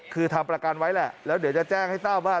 คือทำประกันไว้แหละแล้วเดี๋ยวจะแจ้งให้ทราบว่า